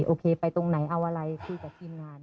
โอเคไปตรงไหนเอาอะไรคือจะกินงาน